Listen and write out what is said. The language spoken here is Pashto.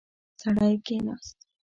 سړی کېناست.